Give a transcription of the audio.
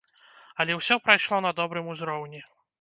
Але ўсё прайшло на добрым узроўні.